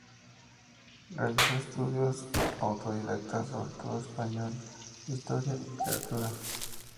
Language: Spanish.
Realizó estudios autodidactas sobre todo de español, historia y literatura.